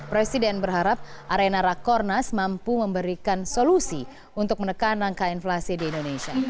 presiden berharap arena rakornas mampu memberikan solusi untuk menekan angka inflasi di indonesia